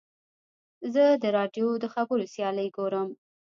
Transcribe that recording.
زه د راډیو د خبرو سیالۍ ګورم.